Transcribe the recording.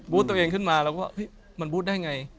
บูสต์ตัวเองขึ้นมาแล้วก็ว่ามันบูสต์ได้ไง